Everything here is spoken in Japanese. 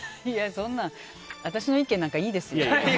そんな、私の意見なんかいいですよ。